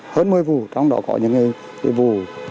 hơn một mươi vụ trong đó có những vụ